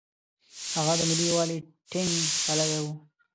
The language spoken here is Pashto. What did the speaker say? هغه د ملي یووالي ټینګ پلوی و.